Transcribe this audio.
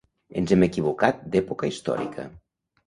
Ens hem equivocat d'època històrica.